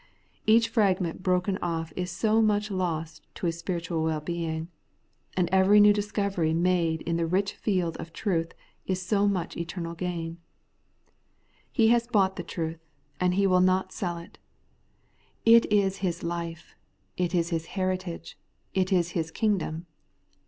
Each fragment broken off is so much lost to his spiritual well being; and each new discovery made in the rich field of truth is so much eternal gaiii. He has bought the truth, and he will not sell The Holy Life of the Justified, 205 it. It is his life ; it is his heritage ; it is his king dom.